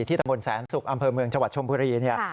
ที่ตำรวจแสนศุกร์อำเภอเมืองจังหวัดชมพุรี